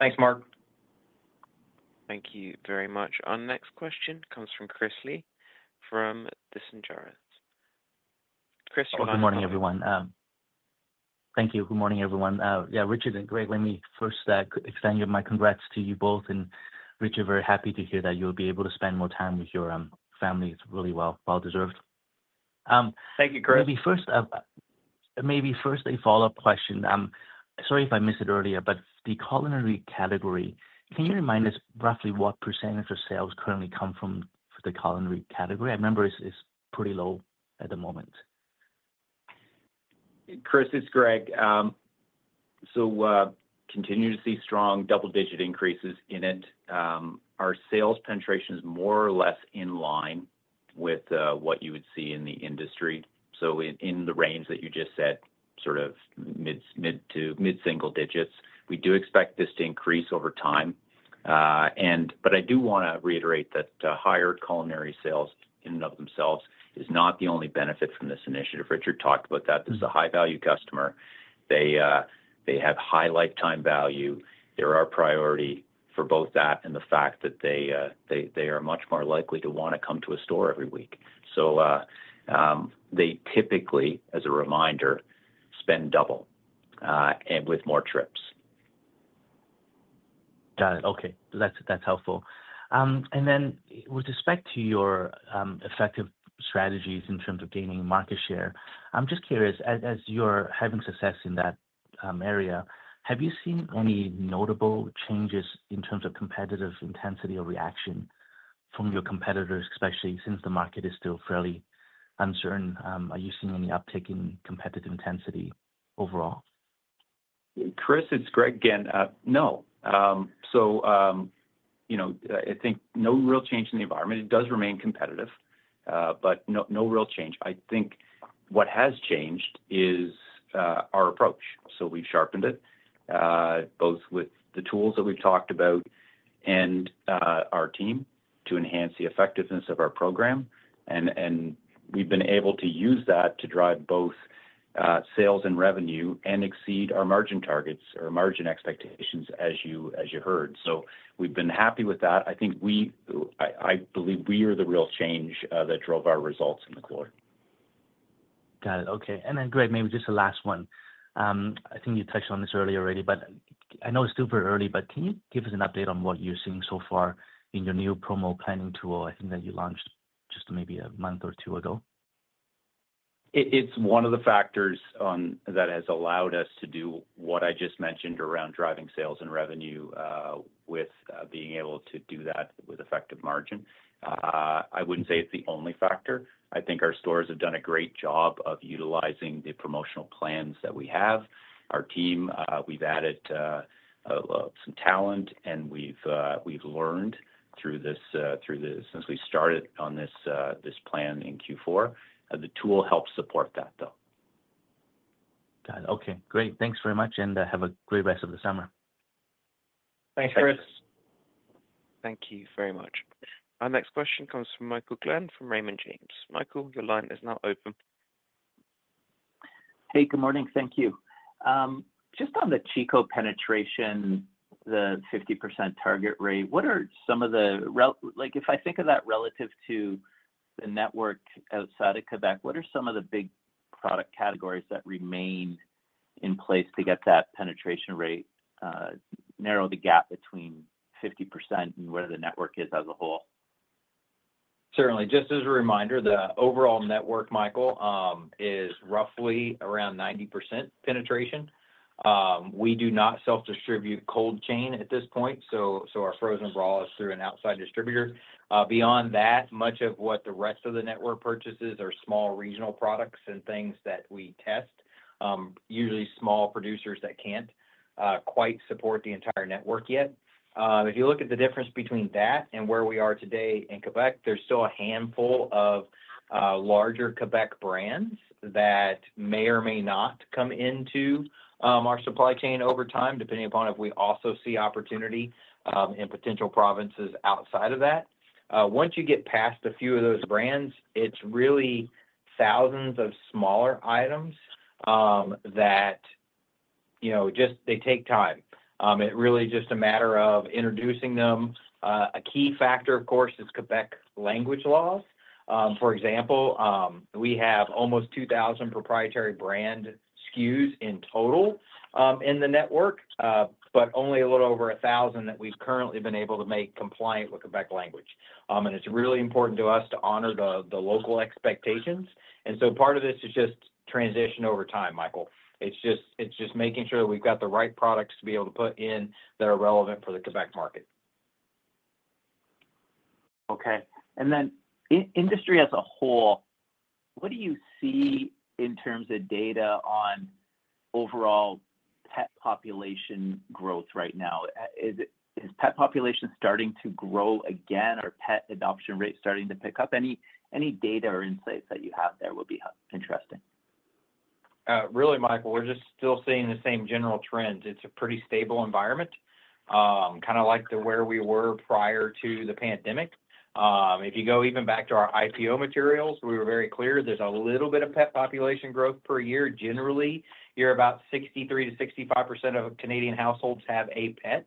Thanks, Mark. Thank you very much. Our next question comes from Chris Lee from Saint John's. Chris, you're on. Good morning, everyone. Thank you. Good morning, everyone. Richard and Greg, let me first extend my congrats to you both. Richard, very happy to hear that you'll be able to spend more time with your family. It's really well-deserved. Thank you, Chris. Maybe first a follow-up question. Sorry if I missed it earlier, but the culinary category, can you remind us roughly what percent of sales currently come from the culinary category? I remember it's pretty low at the moment. Chris, it's Greg. We continue to see strong double-digit increases in it. Our sales penetration is more or less in line with what you would see in the industry, in the range that you just said, sort of mid to mid-single digits. We do expect this to increase over time. I do want to reiterate that higher culinary sales in and of themselves is not the only benefit from this initiative. Richard talked about that. This is a high-value customer. They have high lifetime value. They're our priority for both that and the fact that they are much more likely to want to come to a store every week. They typically, as a reminder, spend double and with more trips. Got it. Okay. That's helpful. With respect to your effective strategies in terms of gaining market share, I'm just curious, as you're having success in that area, have you seen any notable changes in terms of competitive intensity or reaction from your competitors, especially since the market is still fairly uncertain? Are you seeing any uptick in competitive intensity overall? Chris, it's Greg again. No, I think no real change in the environment. It does remain competitive, but no real change. What has changed is our approach. We've sharpened it, both with the tools that we've talked about and our team to enhance the effectiveness of our program. We've been able to use that to drive both sales and revenue and exceed our margin targets or margin expectations, as you heard. We've been happy with that. I believe we are the real change that drove our results in the quarter. Got it. Okay. Greg, maybe just the last one. I think you touched on this earlier already, but I know it's super early. Can you give us an update on what you're seeing so far in your new promo planning tool? I think that you launched just maybe a month or two ago. It's one of the factors that has allowed us to do what I just mentioned around driving sales and revenue with being able to do that with effective margin. I wouldn't say it's the only factor. I think our stores have done a great job of utilizing the promotional plans that we have. Our team, we've added some talent, and we've learned through this since we started on this plan in Q4. The tool helps support that, though. Got it. Okay. Great. Thanks very much, and have a great rest of the summer. Thanks, Chris. Thank you very much. Our next question comes from Michael Glen from Raymond James. Michael, your line is now open. Hey, good morning. Thank you. Just on the Chico penetration, the 50% target rate, what are some of the, like, if I think of that relative to the network outside of Quebec, what are some of the big product categories that remain in place to get that penetration rate, narrow the gap between 50% and where the network is as a whole? Certainly. Just as a reminder, the overall network, Michael, is roughly around 90% penetration. We do not self-distribute cold chain at this point. Our frozen raw is through an outside distributor. Beyond that, much of what the rest of the network purchases are small regional products and things that we test. Usually, small producers that can't quite support the entire network yet. If you look at the difference between that and where we are today in Quebec, there's still a handful of larger Quebec brands that may or may not come into our supply chain over time, depending upon if we also see opportunity in potential provinces outside of that. Once you get past a few of those brands, it's really thousands of smaller items that just take time. It's really just a matter of introducing them. A key factor, of course, is Quebec language laws. For example, we have almost 2,000 proprietary brand SKUs in total in the network, but only a little over 1,000 that we've currently been able to make compliant with Quebec language. It's really important to us to honor the local expectations. Part of this is just transition over time, Michael. It's just making sure that we've got the right products to be able to put in that are relevant for the Quebec market. Okay. In terms of industry as a whole, what do you see in terms of data on overall pet population growth right now? Is pet population starting to grow again? Are pet adoption rates starting to pick up? Any data or insights that you have there would be interesting. Really, Michael, we're just still seeing the same general trends. It's a pretty stable environment, kind of like where we were prior to the pandemic. If you go even back to our IPO materials, we were very clear there's a little bit of pet population growth per year. Generally, you're about 63%-65% of Canadian households have a pet,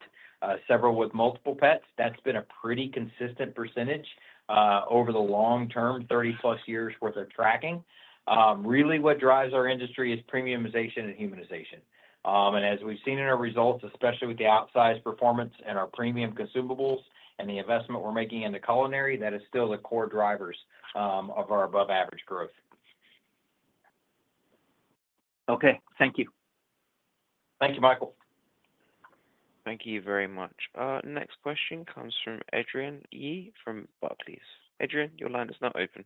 several with multiple pets. That's been a pretty consistent percentage over the long-term, 30+ years' worth of tracking. Really, what drives our industry is premiumization and humanization. As we've seen in our results, especially with the outsized performance in our premium consumables and the investment we're making in the culinary pet food experience, that is still the core drivers of our above-average growth. Okay, thank you. Thank you, Michael. Thank you very much. Next question comes from Adrian Yee from Buckley's. Adrian, your line is now open.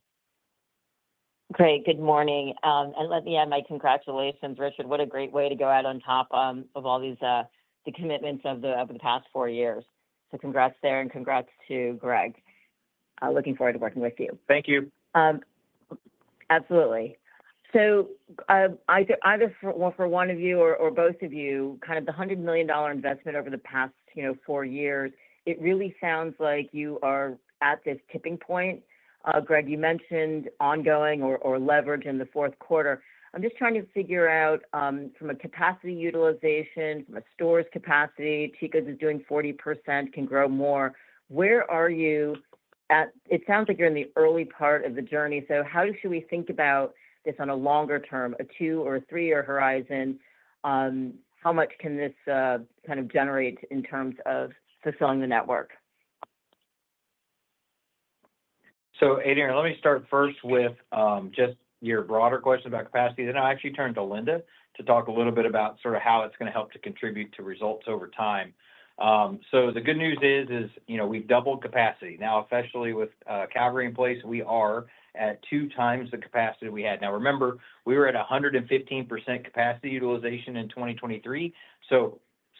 Great. Good morning. Let me add my congratulations, Richard. What a great way to go out on top of all these commitments over the past four years. Congrats there and congrats to Greg. Looking forward to working with you. Thank you. Absolutely. For one of you or both of you, the $100 million investment over the past four years, it really sounds like you are at this tipping point. Greg, you mentioned ongoing leverage in the fourth quarter. I'm just trying to figure out from a capacity utilization, from a store's capacity, Chico's is doing 40%, can grow more. Where are you at? It sounds like you're in the early part of the journey. How should we think about this on a longer term, a two or a three-year horizon? How much can this generate in terms of fulfilling the network? Adrian, let me start first with just your broader question about capacity. I will actually turn to Linda to talk a little bit about how it's going to help to contribute to results over time. The good news is, we've doubled capacity. Now, especially with Calgary in place, we are at two times the capacity we had. Remember, we were at 115% capacity utilization in 2023.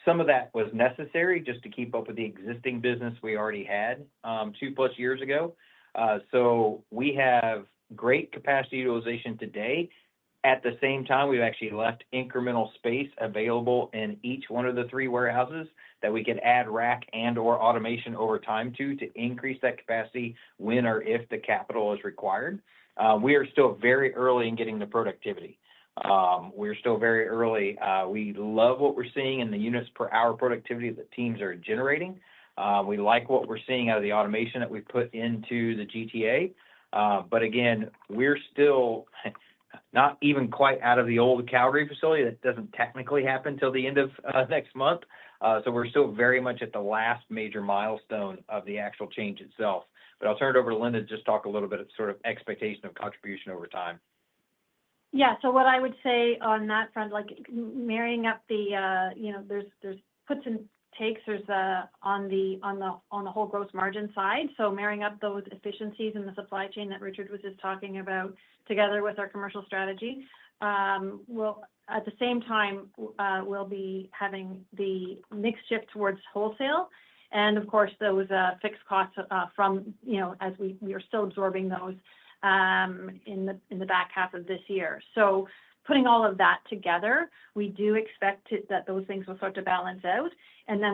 Some of that was necessary just to keep up with the existing business we already had two-plus years ago. We have great capacity utilization today. At the same time, we've actually left incremental space available in each one of the three warehouses that we could add rack and/or automation over time to increase that capacity when or if the capital is required. We are still very early in getting the productivity. We're still very early. We love what we're seeing in the units per hour productivity that teams are generating. We like what we're seeing out of the automation that we've put into the GTA. We're still not even quite out of the old Calgary facility. That doesn't technically happen till the end of next month. We are still very much at the last major milestone of the actual change itself. I'll turn it over to Linda to just talk a little bit of expectation of contribution over time. What I would say on that front, like marrying up the, you know, there's puts and takes on the whole gross margin side. Marrying up those efficiencies in the supply chain that Richard was just talking about together with our commercial strategy, at the same time, we'll be having the mixed shift towards wholesale. Of course, those fixed costs from, you know, as we are still absorbing those in the back half of this year. Putting all of that together, we do expect that those things will start to balance out.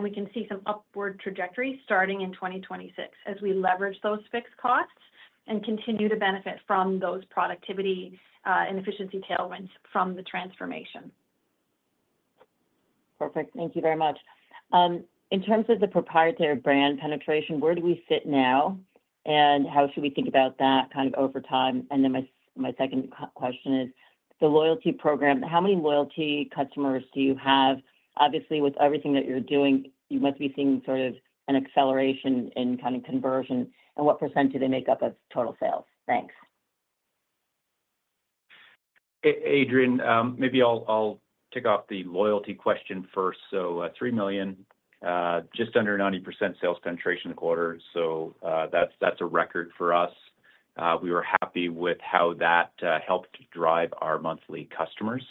We can see some upward trajectory starting in 2026 as we leverage those fixed costs and continue to benefit from those productivity and efficiency tailwinds from the transformation. Perfect. Thank you very much. In terms of the proprietary brand penetration, where do we sit now and how should we think about that kind of over time? My second question is the loyalty program. How many loyalty customers do you have? Obviously, with everything that you're doing, you must be seeing sort of an acceleration in kind of conversion. What percent do they make up of total sales? Thanks. Adrian, maybe I'll take off the loyalty question first. 3 million, just under 90% sales penetration in the quarter. That's a record for us. We were happy with how that helped drive our monthly customers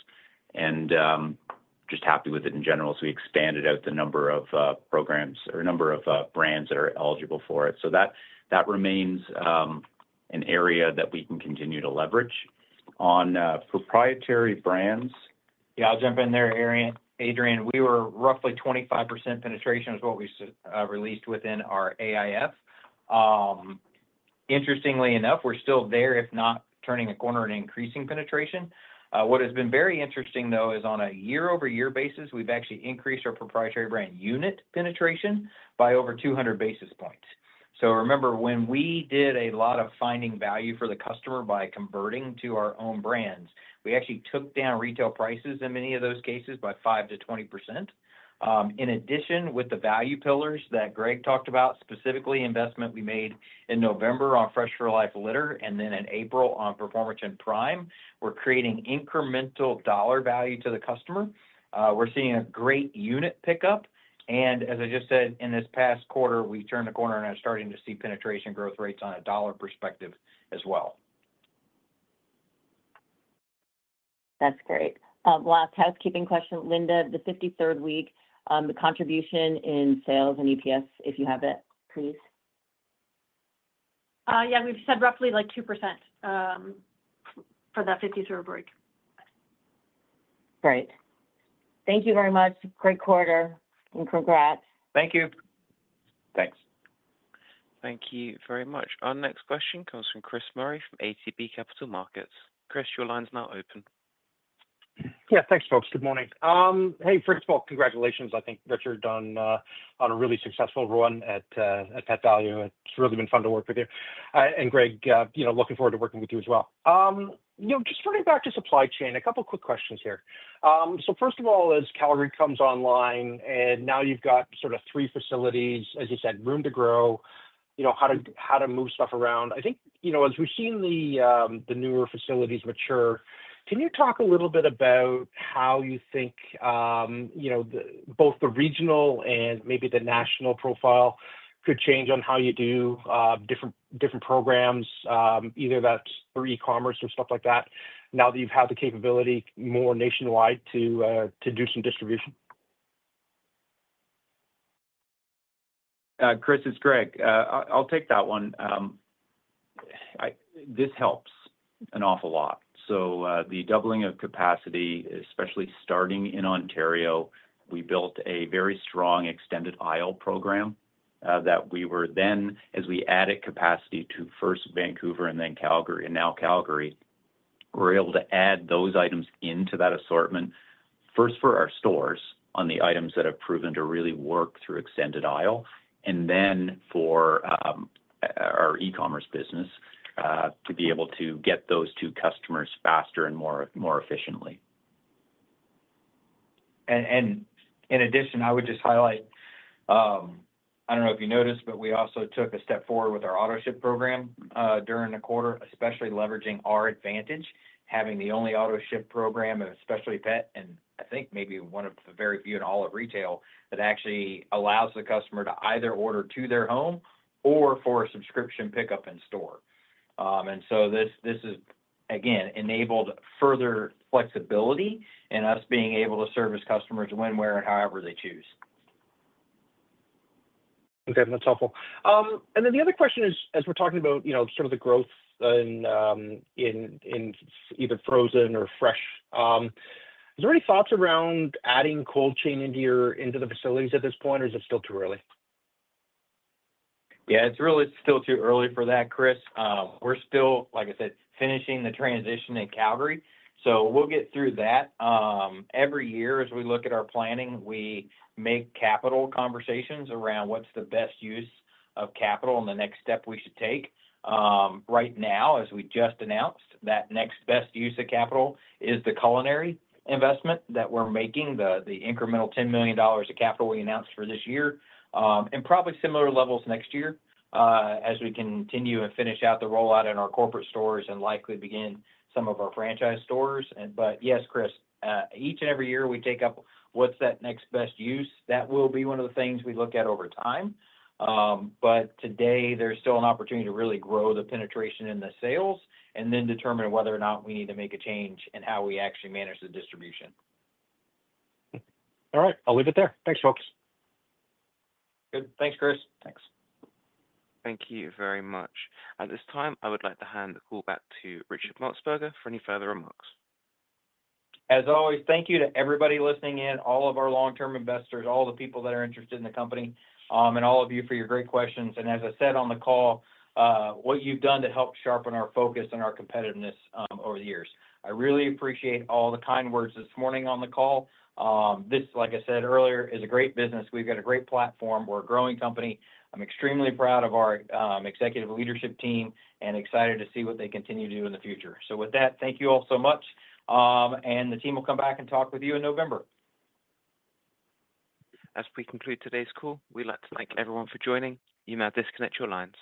and just happy with it in general. We expanded out the number of programs or number of brands that are eligible for it. That remains an area that we can continue to leverage. On proprietary brands. Yeah, I'll jump in there, Adrian. We were roughly 25% penetration, which is what we released within our AIF. Interestingly enough, we're still there, if not turning a corner and increasing penetration. What has been very interesting, though, is on a year-over-year basis, we've actually increased our proprietary brand unit penetration by over 200 basis points. Remember, when we did a lot of finding value for the customer by converting to our own brands, we actually took down retail prices in many of those cases by 5%-20%. In addition, with the value pillars that Greg Ramier talked about, specifically the investment we made in November on Fresh for Life litter and then in April on Performance and Prime, we're creating incremental dollar value to the customer. We're seeing a great unit pickup. As I just said, in this past quarter, we turned the corner and are starting to see penetration growth rates on a dollar perspective as well. That's great. Last housekeeping question, Linda, the 53rd week, the contribution in sales and EPS, if you have it, please. Yeah, we've said roughly like 2% for that 53rd week. Great. Thank you very much. Great quarter and congrats. Thank you. Thanks. Thank you very much. Our next question comes from Chris Murray from ATB Capital Markets. Chris, your line's now open. Yeah, thanks, folks. Good morning. First of all, congratulations. I think Richard's done a really successful run at Pet Valu. It's really been fun to work with you. Greg, looking forward to working with you as well. Just turning back to supply chain, a couple of quick questions here. First of all, as Calgary comes online and now you've got sort of three facilities, as you said, room to grow, you know how to move stuff around. I think as we've seen the newer facilities mature, can you talk a little bit about how you think both the regional and maybe the national profile could change on how you do different programs, either that's through e-commerce or stuff like that, now that you've had the capability more nationwide to do some distribution? Chris, it's Greg. I'll take that one. This helps an awful lot. The doubling of capacity, especially starting in Ontario, we built a very strong extended aisle program that we were then, as we added capacity to first Vancouver and then Calgary and now Calgary, we're able to add those items into that assortment, first for our stores on the items that have proven to really work through extended aisle, and then for our e-commerce business to be able to get those to customers faster and more efficiently. In addition, I would just highlight, I don't know if you noticed, but we also took a step forward with our auto-ship program during the quarter, especially leveraging our advantage, having the only auto-ship program, especially Pet, and I think maybe one of the very few in all of retail that actually allows the customer to either order to their home or for a subscription pickup in store. This has, again, enabled further flexibility in us being able to service customers when, where, and however they choose. Okay, that's helpful. The other question is, as we're talking about, you know, sort of the growth in either frozen or fresh, is there any thoughts around adding cold chain into your facilities at this point, or is it still too early? Yeah, it's really still too early for that, Chris. We're still, like I said, finishing the transition at Calgary. We'll get through that. Every year, as we look at our planning, we make capital conversations around what's the best use of capital and the next step we should take. Right now, as we just announced, that next best use of capital is the culinary investment that we're making, the incremental $10 million of capital we announced for this year, and probably similar levels next year as we continue and finish out the rollout in our corporate stores and likely begin some of our franchise stores. Yes, Chris, each and every year we take up what's that next best use. That will be one of the things we look at over time. Today, there's still an opportunity to really grow the penetration in the sales and then determine whether or not we need to make a change in how we actually manage the distribution. All right. I'll leave it there. Thanks, folks. Good. Thanks, Chris. Thanks. Thank you very much. At this time, I would like to hand the call back to Richard Maltsbarger for any further remarks. As always, thank you to everybody listening in, all of our long-term investors, all the people that are interested in the company, and all of you for your great questions. As I said on the call, what you've done to help sharpen our focus and our competitiveness over the years. I really appreciate all the kind words this morning on the call. This, like I said earlier, is a great business. We've got a great platform. We're a growing company. I'm extremely proud of our executive leadership team and excited to see what they continue to do in the future. Thank you all so much. The team will come back and talk with you in November. As we conclude today's call, we'd like to thank everyone for joining. You may disconnect your lines.